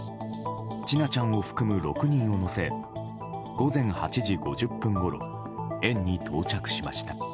千奈ちゃんを含む６人を乗せ午前８時５０分ごろ園に到着しました。